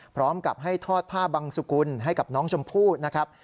พร้อมกับให้ทอดผ้าบังสุกุลให้กับน้องชมพู่นะครับ